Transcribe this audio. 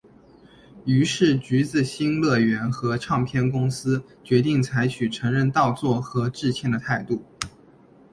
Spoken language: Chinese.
于是橘子新乐园和唱片公司决定采取承认盗作和致歉的态度。